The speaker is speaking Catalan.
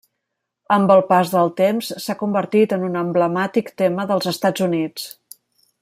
Amb el pas del temps s'ha convertit en un emblemàtic tema dels Estats Units.